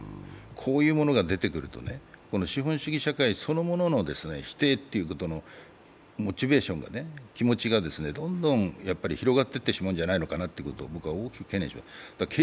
こういうものが出てくると資本主義社会そのものの否定ということのモチベーション、気持ちがどんどん広がっていってしまうのではないかと僕は大きく懸念します。